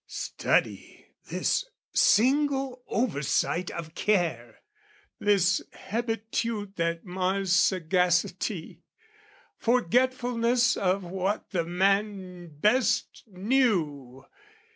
Study this single oversight of care, This hebetude that mars sagacity, Forgetfulness of what the man best knew!